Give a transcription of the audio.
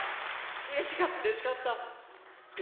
うれしかったです。